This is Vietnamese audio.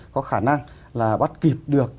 có khả năng là bắt kịp được